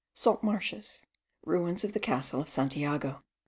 SALT MARSHES. RUINS OF THE CASTLE OF SANTIAGO.